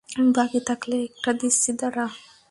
বাকী থাকলে একটা দিচ্ছি, দাঁড়া।